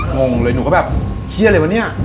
งงเลยหนูก็แบบเครียดอะไรวะเนี่ย